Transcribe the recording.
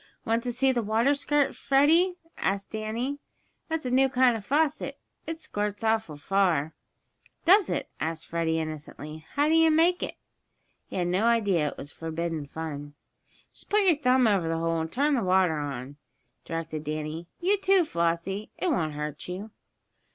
"Want to see the water squirt, Freddie?" asked Danny. "That's a new kind of faucet. It squirts awful far." "Does it?" asked Freddie, innocently. "How do you make it?" He had no idea it was forbidden fun. "Just put your thumb over the hole, and turn the water on," directed Danny. "You, too, Flossie. It won't hurt you."